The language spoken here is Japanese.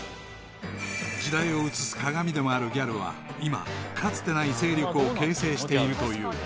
［時代を映す鏡でもあるギャルは今かつてない勢力を形成しているという］